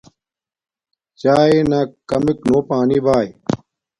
چاݵے نا کمک نو پانی باݵ